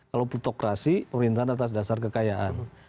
kalau putokrasi pemerintahan atas dasar kekayaan